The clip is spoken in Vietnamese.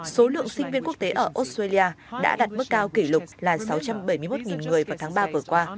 số lượng sinh viên quốc tế ở australia đã đạt mức cao kỷ lục là sáu trăm bảy mươi một người vào tháng ba vừa qua